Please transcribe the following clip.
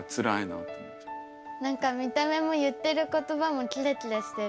何か見た目も言ってる言葉もキラキラしてる。